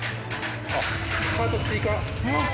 あっカート追加。